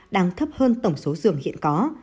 đang thấp hơn tổng số giường hiện có